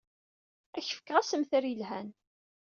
Ad ak-d-fkeɣ assemter yelhan.